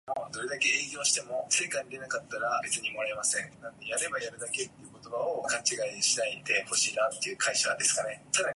The Connecticut River forms the eastern border.